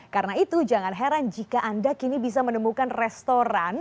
karena itu jangan heran jika anda kini bisa menemukan restoran